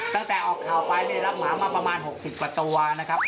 ตั้งแต่ออกข่าวไปได้รับหมามาประมาณ๖๐กว่าตัวนะครับ